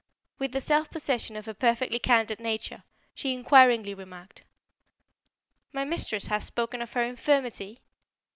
With the self possession of a perfectly candid nature, she inquiringly remarked: "My mistress has spoken of her infirmity?"